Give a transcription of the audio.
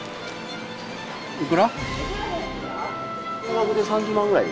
いくら？